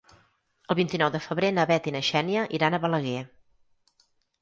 El vint-i-nou de febrer na Bet i na Xènia iran a Balaguer.